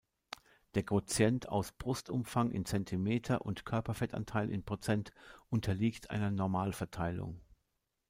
Der Quotient aus Brustumfang in Zentimeter und Körperfettanteil in Prozent unterliegt einer Normalverteilung.